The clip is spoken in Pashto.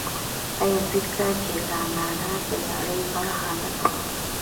آیا ځکه چې کاناډا د نړۍ برخه نه ده؟